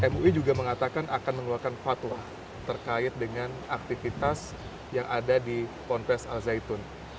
mui juga mengatakan akan mengeluarkan fatwa terkait dengan aktivitas yang ada di pondres al zaitun